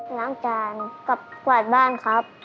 ล้างจานกับกวาดบ้านครับ